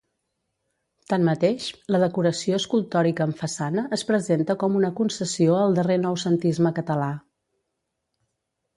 Tanmateix, la decoració escultòrica en façana es presenta com una concessió al darrer noucentisme català.